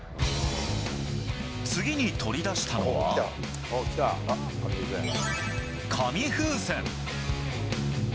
次に取り出したのは、紙風船。